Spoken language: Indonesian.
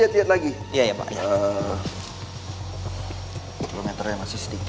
tidak ada apa apa